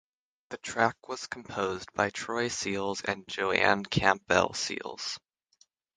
The track was composed by Troy Seals and Jo Ann Campbell Seals.